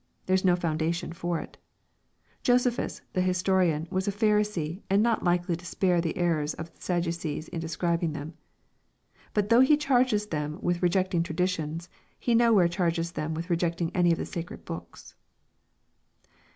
There is no foundation for it. Josephus, the his torian, was a Pharisee, and not likely to spare the errors of Sad ducees in describing them. But though he charges them with re jecting traditions, he nowhere charges them with rejecting any of the sacred books.